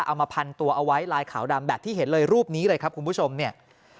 เอามาพันตัวเอาไว้ลายขาวดำแบบที่เห็นเลยรูปนี้เลยครับคุณผู้ชมเนี่ย